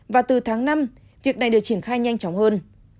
và từ tháng năm việc này được triển khai nhanh chóng hơn